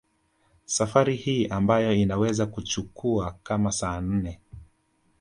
Safari hii ambayo inaweza kuchukua kama saa nne